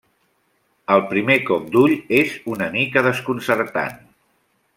Al primer cop d'ull és una mica desconcertant.